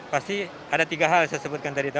pasti ada tiga hal yang saya sebutkan tadi